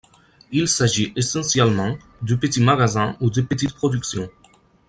Il s'agit essentiellement de petits magasins ou de petites productions.